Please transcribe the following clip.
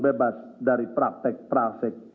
bebas dari praktik praktik